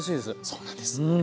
そうなんです。